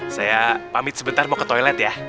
saya pamit sebentar mau ke toilet ya